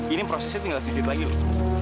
ini prosesnya tinggal sedikit lagi loh